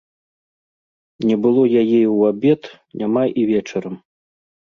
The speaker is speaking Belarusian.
Не было яе і ў абед, няма і вечарам.